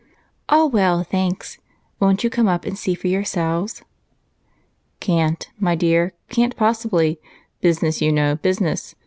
"All well, thanks. Won't you come up and see for yourselves?" "Can't, my dear, can't possibly. Business, you know, business.